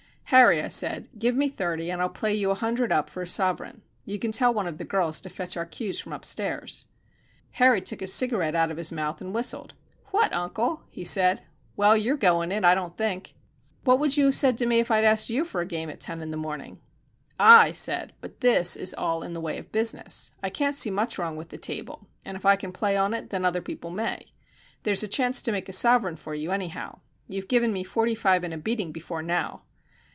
"Harry," I said, "give me thirty, and I'll play you a hundred up for a sovereign. You can tell one of the girls to fetch our cues from upstairs." Harry took his cigarette out of his mouth and whistled. "What, uncle!" he said. "Well, you're going it, I don't think. What would you have said to me if I'd asked you for a game at ten in the morning?" "Ah!" I said, "but this is all in the way of business. I can't see much wrong with the table, and if I can play on it, then other people may. There's a chance to make a sovereign for you anyhow. You've given me forty five and a beating before now."